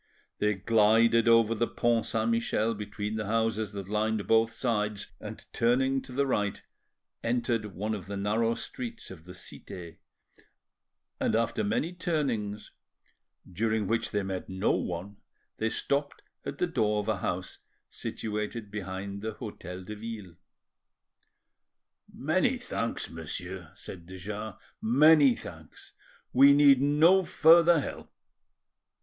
They glided over the Pont Saint Michel between the houses that lined both sides, and, turning to the right, entered one of the narrow streets of the Cite, and after many turnings, during which they met no one, they stopped at the door of a house situated behind the Hotel de Ville. "Many thanks, monsieur," said de Jars,—"many thanks; we need no further help."